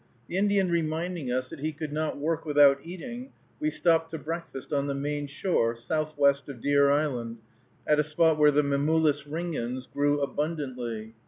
The Indian reminding us that he could not work without eating, we stopped to breakfast on the main shore, southwest of Deer Island, at a spot where the Mimulus ringens grew abundantly.